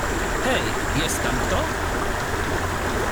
Hej, jest tam kto?